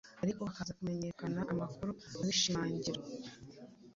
ariko hakaza kumenyekana amakuru abishimangira